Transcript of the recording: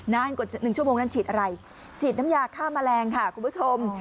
นานกว่า๑ชั่วโมงนั้นฉีดอะไรฉีดน้ำยาฆ่าแมลงค่ะคุณผู้ชม